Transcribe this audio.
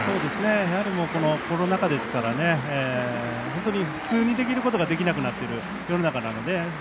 やはりコロナ禍ですから本当に普通にできることができなくなっている世の中なので。